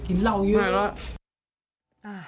คลังครับช่างไว้กับน้องล่ะ